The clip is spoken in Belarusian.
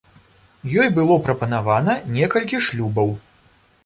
Ёй было прапанавана некалькі шлюбаў.